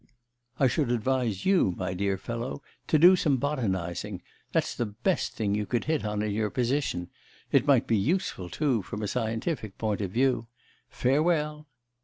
I should advise you, my dear fellow, to do some botanising; that's the best thing you could hit on in your position; it might be useful, too, from a scientific point of view. Farewell!